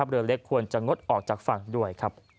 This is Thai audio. เรือเล็กควรจะงดออกจากฝั่งด้วย